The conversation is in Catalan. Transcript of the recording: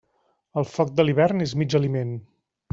El foc de l'hivern és mig aliment.